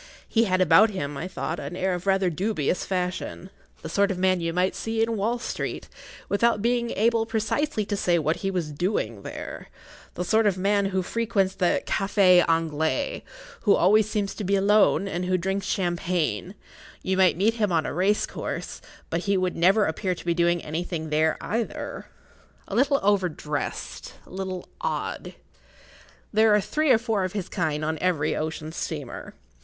He had about him, I thought, an air of rather dubious fashion; the sort of man you might see in Wall Street, without being able precisely to say what he was doing there—the sort of man who frequents the Café Anglais, who always seems to be alone and who drinks champagne; you might meet him on a race course, but he would never appear to be doing anything there either. A little over dressed—a little odd. There are three or four of his kind on every ocean steamer.